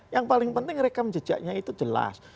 yang paling penting mereka menjejaknya itu jelas